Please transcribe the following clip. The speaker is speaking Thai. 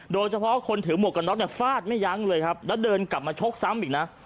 โดยเฉพาะคนถือหมวกกันน็อกเนี่ยฟาดไม่ยั้งเลยครับแล้วเดินกลับมาชกซ้ำอีกนะ